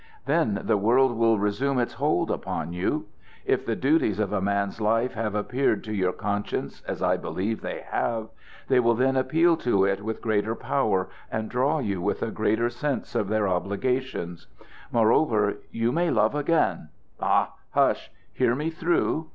Then the world will resume its hold upon you. If the duties of a man's life have appealed to your conscience, as I believe they have, they will then appeal to it with greater power and draw you with a greater sense of their obligations. Moreover, you may love again ah! Hush! Hear me through!